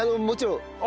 もちろん。